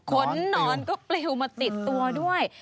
ขนหนอนก็ปลิวมาติดตัวด้วย